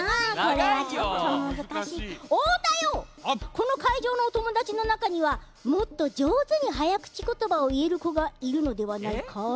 このかいじょうのおともだちのなかにはもっとじょうずに早口言葉をいえるこがいるのではないか？